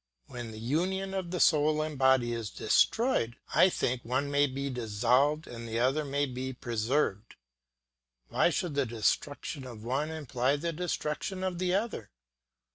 When the union of soul and body is destroyed, I think one may be dissolved and the other may be preserved. Why should the destruction of the one imply the destruction of the other?